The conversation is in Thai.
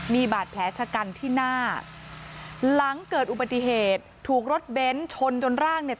มีบาดแผลชะกันที่หน้าหลังเกิดอุบัติเหตุถูกรถเบ้นชนจนร่างเนี่ย